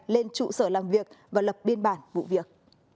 lên trụ sở làm việc và lập biên bản vụ việc